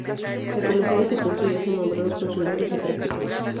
Al comenzar este curso ya son nombrados funcionarios en prácticas.